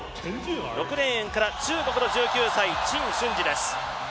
６レーンから中国の１９歳、陳俊児です。